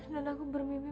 dan aku bermimpi